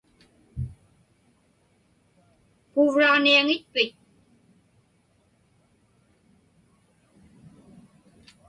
Puuvraġniaŋitpit?